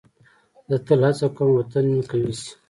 زه تل هڅه کوم وطن مې قوي شي.